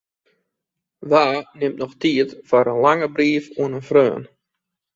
Wa nimt noch tiid foar in lange brief oan in freon?